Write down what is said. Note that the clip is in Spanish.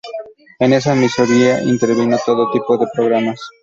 En esa emisora intervino en todo tipo de programas.